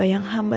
terima kasih bu